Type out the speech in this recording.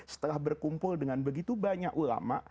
setelah berkumpul dengan begitu banyak ulama